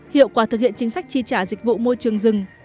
hiệu quả thực hiện chính sách tri trả dịch vụ môi trường rừng